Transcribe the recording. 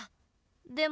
でも。